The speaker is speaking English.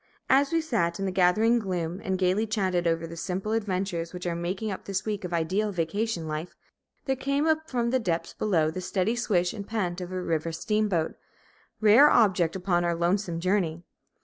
As we sat in the gathering gloom and gayly chatted over the simple adventures which are making up this week of ideal vacation life, there came up from the depths below the steady swish and pant of a river steamboat, rare object upon our lonesome journey.